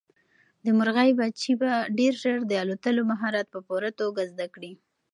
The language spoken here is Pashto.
د مرغۍ بچي به ډېر ژر د الوتلو مهارت په پوره توګه زده کړي.